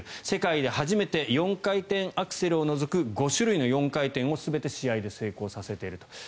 世界で初めて４回転アクセルを除く５種類の４回転を試合で全て成功させていると。